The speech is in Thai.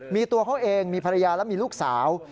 มีตัวเขาเองมีภรรยาและมีลูกสาว